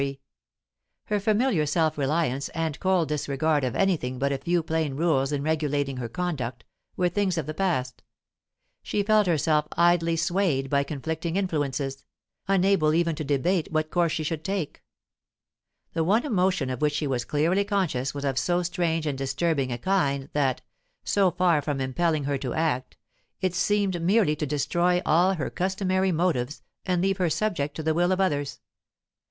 Her familiar self reliance and cold disregard of anything but a few plain rules in regulating her conduct, were things of the past. She felt herself idly swayed by conflicting influences, unable even to debate what course she should take; the one emotion of which she was clearly conscious was of so strange and disturbing a kind that, so far from impelling her to act, it seemed merely to destroy all her customary motives and leave her subject to the will of others.